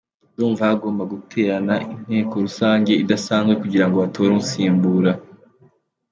Ndumva hagomba guterana inteko rusange idasanzwe kugira ngo batore unsimbura.